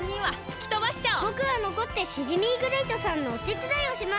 ぼくはのこってシジミーグレイトさんのおてつだいをします！